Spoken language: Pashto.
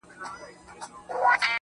پرون مي غوښي د زړگي خوراك وې.